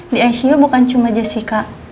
di icu bukan cuma jessica